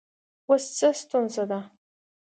اوس څه ستونزه ده